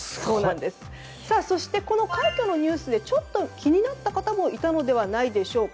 そして、ちょっとこの快挙のニュースで気になった方もいたのではないでしょうか。